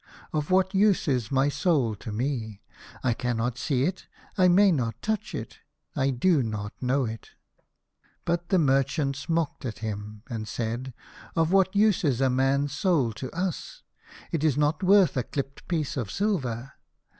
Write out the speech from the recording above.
Of what use is my soul to me ? I cannot see it. I may not touch it. I do not know it." But the merchants mocked at him, and said, " Of what use is a man's soul to us ? It is not worth a clipped piece of silver.